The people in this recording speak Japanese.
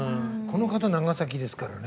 この方、長崎ですから。